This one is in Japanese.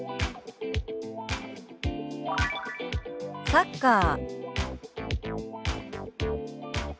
「サッカー」。